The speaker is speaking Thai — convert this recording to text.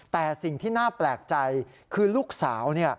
แต่สิ่งที่น่าแปลกใจคือลูกสาว